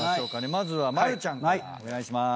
まずは丸ちゃんからお願いします。